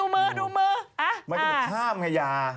ไม่ต้องข้ามค่ะอย่า